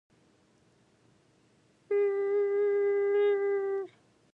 The parish contains the village of Wychnor and the surrounding countryside.